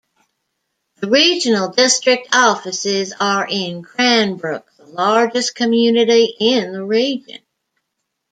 The regional district offices are in Cranbrook, the largest community in the region.